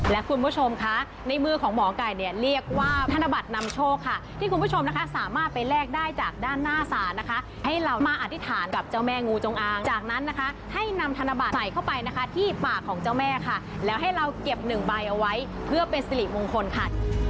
และคุณผู้ชมคะในมือของหมอไก่เนี่ยเรียกว่าธนบัตรนำโชคค่ะที่คุณผู้ชมนะคะสามารถไปแลกได้จากด้านหน้าศาลนะคะให้เรามาอธิษฐานกับเจ้าแม่งูจงอางจากนั้นนะคะให้นำธนบัตรใส่เข้าไปนะคะที่ปากของเจ้าแม่ค่ะแล้วให้เราเก็บหนึ่งใบเอาไว้เพื่อเป็นสิริมงคลค่ะ